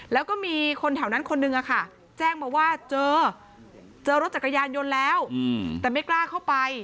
แล้วก็มีคนแถวนั้นคนนึงแจ้งมาว่าเจอเจอรถจักรยานยนต์แล้วแต่ไม่กล้าเข้าไป